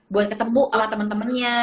buat ketemu sama temen temennya